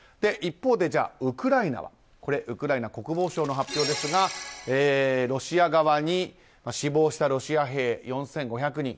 一方でウクライナはウクライナ国防省の発表ですがロシア側、死亡したロシア兵４５００人。